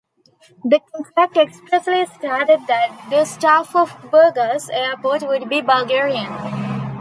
The contract expressly stated that the staff of Burgas Airport would be Bulgarian.